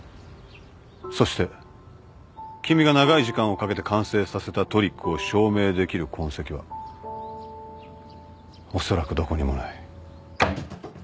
そして君が長い時間をかけて完成させたトリックを証明できる痕跡はおそらくどこにもない。